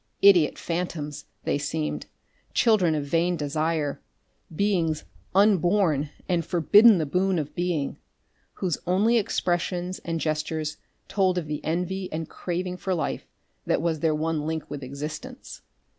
Idiot phantoms, they seemed, children of vain desire, beings unborn and forbidden the boon of being, whose only expressions and gestures told of the envy and craving for life that was their one link with existence.